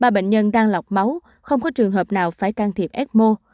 ba bệnh nhân đang lọc máu không có trường hợp nào phải can thiệp ecmo